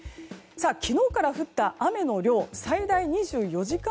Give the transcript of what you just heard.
昨日から降った雨の量最大２４時間